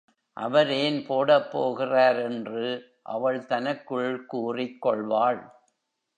அவர் ஏன் போடப் போகிறார்? என்று அவள் தனக்குள் கூறிக் கொள்வாள்.